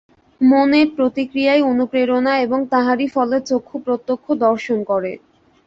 মনের প্রতিক্রিয়াই অনুপ্রেরণা এবং তাহারই ফলে চক্ষু প্রত্যক্ষ দর্শন করে।